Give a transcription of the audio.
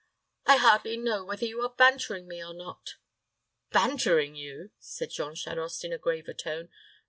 "I hardly know whether you are bantering me or not." "Bantering you!" said Jean Charost, in a graver tone.